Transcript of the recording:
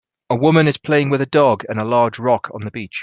A woman is playing with a dog and a large rock on the beach.